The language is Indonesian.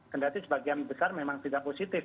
kendati sebagian besar memang tidak positif